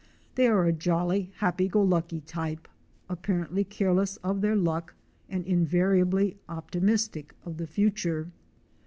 They are a jolly, happy go lucky type, apparently careless of their luck and invari ably optimistic of the future.